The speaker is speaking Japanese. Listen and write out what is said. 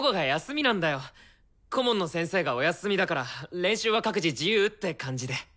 顧問の先生がお休みだから練習は各自自由って感じで。